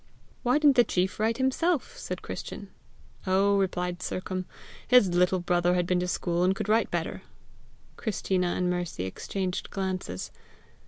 "Why didn't the chief write himself?" said Christian. "Oh," replied Sercombe, "his little brother had been to school, and could write better!" Christina and Mercy exchanged glances.